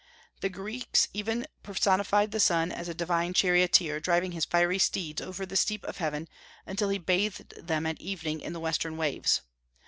The Greeks even personified the sun as a divine charioteer driving his fiery steeds over the steep of heaven, until he bathed them at evening in the western waves.